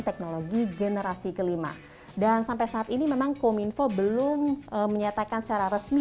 teknologi generasi kelima dan sampai saat ini memang kominfo belum menyatakan secara resmi